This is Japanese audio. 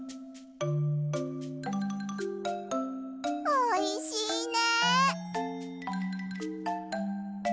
おいしいね！